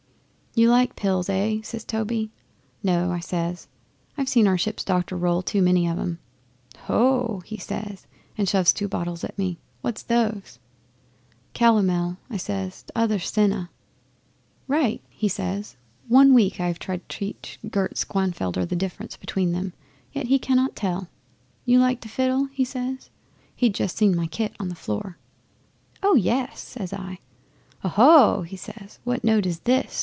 '"You like pills eh?" says Toby. "No," I says. "I've seen our ship's doctor roll too many of em." '"Ho!" he says, and he shoves two bottles at me. "What's those?" '"Calomel," I says. "And t'other's senna." '"Right," he says. "One week have I tried to teach Gert Schwankfelder the difference between them, yet he cannot tell. You like to fiddle?" he says. He'd just seen my kit on the floor. '"Oh yes!" says I. '"Oho!" he says. "What note is this?"